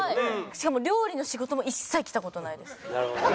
しかも料理の仕事も一切来た事ないですね。